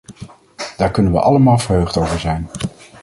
Daar kunnen we allemaal verheugd over zijn.